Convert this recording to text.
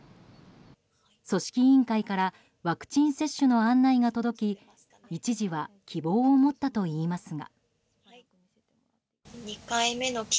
組織委員会からワクチン接種の案内が届き一時は希望を持ったといいますが。